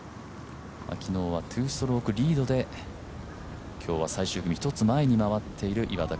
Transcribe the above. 昨日は２ストロークリードで今日は最終組１つ前で回っている岩田。